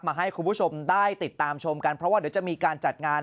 ให้คุณผู้ชมได้ติดตามชมกันเพราะว่าเดี๋ยวจะมีการจัดงาน